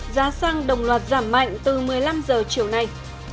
giá xăng đồng loạt giảm mạnh từ một mươi năm h chiều nay